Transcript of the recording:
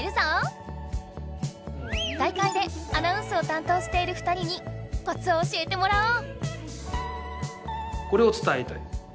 大会でアナウンスを担当している２人にコツを教えてもらおう！